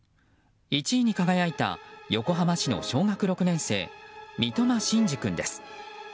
１位に輝いた横浜市の小学６年生三笘心嗣君です。